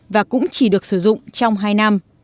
và cũng chỉ được sử dụng trong hai năm